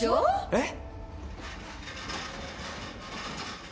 えっ。